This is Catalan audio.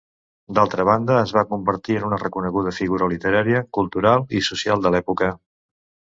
D'altra banda, es va convertir en una reconeguda figura literària, cultural i social de l'època.